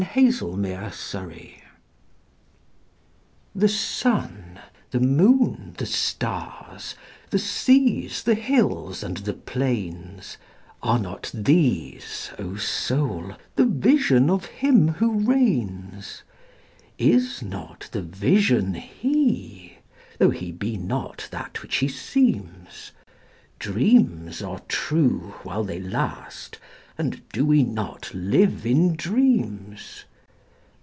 The Higher Pantheism THE SUN, the moon, the stars, the seas, the hills and the plains—Are not these, O Soul, the Vision of Him who reigns? Is not the Vision He? tho' He be not that which He seems? Dreams are true while they last, and do we not live in dreams?